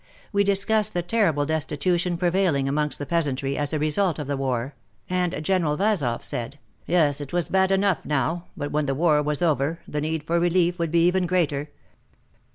We discussed the terrible destitution prevailing amongst the peasantry as a result of the war, and General Vazoff said, Yes, it was bad enough now, but when the war was over, the need for relief would be even greater.